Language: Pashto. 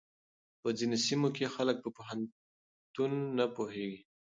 په ځينو سيمو کې خلک په پوهنتون نه پوهېږي.